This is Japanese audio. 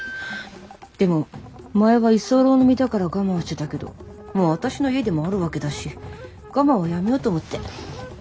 でも前は居候の身だから我慢してたけどもう私の家でもあるわけだし我慢はやめようと思って。